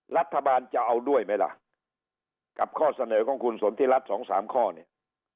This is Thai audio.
รัฐบาลจะเอาด้วยไหมล่ะกับข้อเสนอของคุณสนทิรัฐสองสามข้อเนี่ย